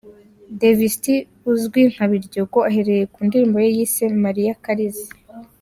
Davis D uzwi nka ’Biryogo’ ahereye ku ndirimbo ye yise ’Maria Kaliza’.